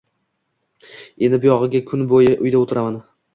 Endi buyog`iga kun bo`yi uyda o`tiraman